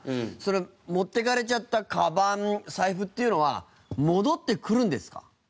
持っていかれちゃったカバン財布っていうのは戻ってくるんですか？